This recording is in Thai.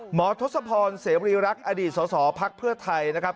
หมอทสภรเศรษฐรีรักษณ์อดีตสอสอภักดิ์เพื่อไทยนะครับ